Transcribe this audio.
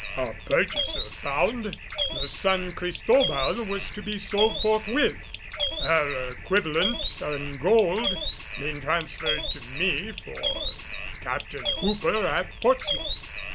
A purchaser found, the San Cristobal was to be sold forthwith, her equivalent in gold being transferred to me for Captain Hooper at Portsmouth.